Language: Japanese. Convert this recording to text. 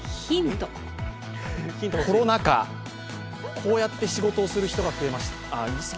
コロナ禍、こうやって仕事をする人が増えました。